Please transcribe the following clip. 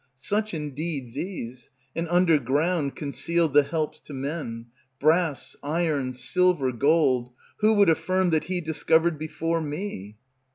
Such indeed these; and under ground Concealed the helps to men; Brass, iron, silver, gold, who Would affirm that he discovered before me?